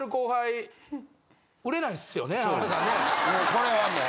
これはもう。